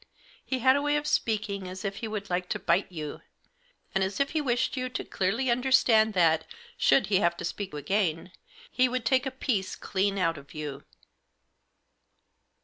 He had a way of speaking as if he would like to bite you ; and as if he wished you to clearly under stand that, should he have to speak again, he would take a piece clean out of you.